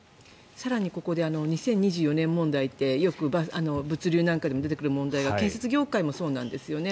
更にここで２０２４年問題ってよく物流なんかでも出てくる問題が建設業界もそうなんですよね。